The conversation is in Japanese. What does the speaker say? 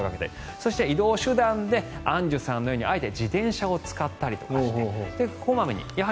そして、移動手段でアンジュさんのようにあえて自転車を使ったり。